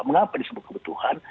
mengapa disebut kebutuhan